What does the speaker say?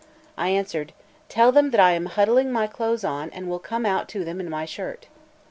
I answered: "Tell them that I am huddling my clothes on, and will come out to them in my shirt."